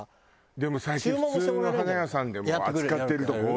でも最近普通の花屋さんでも扱ってるとこ多い。